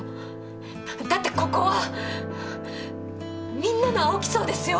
だってここはみんなの青木荘ですよ。